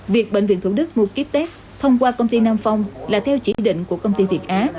việc bệnh viện thủ đức mua kýt test thông qua công ty nam phong là theo chỉ định của công ty việt á